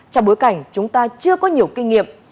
trong bối cảnh chúng ta chưa có nhiều kinh nghiệm